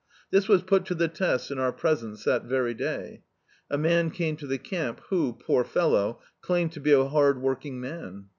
This was put to the test in our presence, that very day. A man came to the camp who, poor fellow, claimed to be a hard working man.